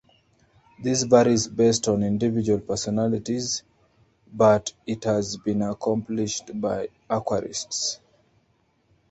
This varies based on individual personalities, but it has been accomplished by aquarists.